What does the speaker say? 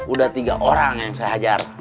udah tiga orang yang saya hajar